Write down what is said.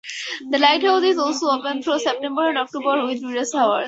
The lighthouse is also open through September and October with reduced hours.